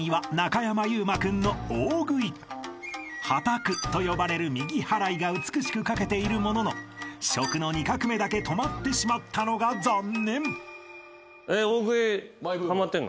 ［波磔と呼ばれる右払いが美しく書けているものの「食」の２画目だけ止まってしまったのが残念］